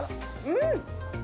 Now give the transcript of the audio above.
うん！